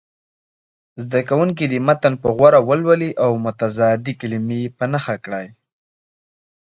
زده کوونکي دې متن په غور ولولي او متضادې کلمې په نښه کړي.